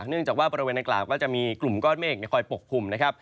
เนื่องจากว่าบริเวณในกราฟก็จะมีกลุ่มก้อนเมฆในคอยปกภูมิ